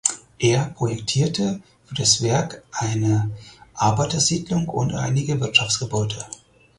Er projektierte für das Werk eine Arbeitersiedlung und einige Wirtschaftsgebäude.